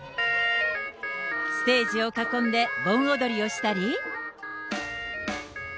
ステージを囲んで盆踊りをしたり。